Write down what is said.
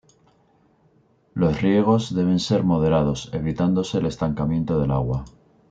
Los riegos deben ser moderados, evitándose el estancamiento del agua.